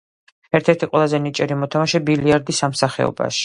ერთ-ერთი ყველაზე ნიჭიერი მოთამაშე ბილიარდის ამ სახეობაში.